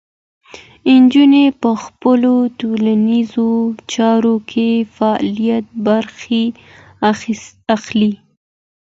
نجونې په خپلو ټولنیزو چارو کې فعالې برخې اخلي.